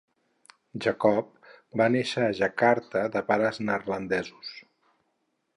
Jacob va néixer a Jakarta de pares neerlandesos.